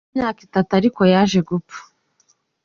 Nyuma y’imyaka itatu ariko Tinkham yaje gupfa.